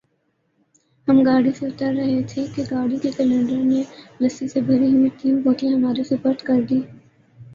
ہم گاڑی سے اتر رہے تھے کہ گاڑی کے کلنڈر نے لسی سے بھری ہوئی تین بوتلیں ہمارے سپرد کر دیں